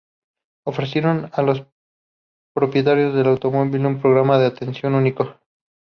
Ofrecieron a los propietarios del automóvil un programa de atención único.